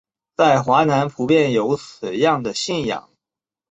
在华南普遍有此样的信仰。